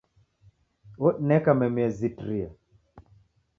Odineka memu yezitiria